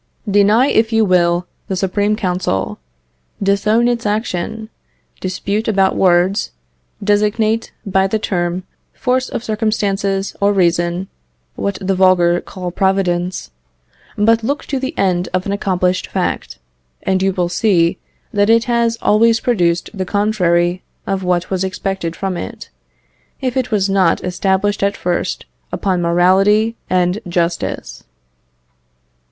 Deny, if you will, the supreme counsel; disown its action; dispute about words; designate, by the term, force of circumstances, or reason, what the vulgar call Providence; but look to the end of an accomplished fact, and you will see that it has always produced the contrary of what was expected from it, if it was not established at first upon morality and justice."